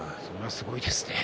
すごいですね。